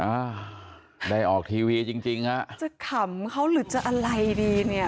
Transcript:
อ่าได้ออกทีวีจริงจริงฮะจะขำเขาหรือจะอะไรดีเนี่ย